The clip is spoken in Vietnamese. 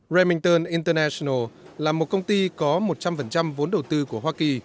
raimington international là một công ty có một trăm linh vốn đầu tư của hoa kỳ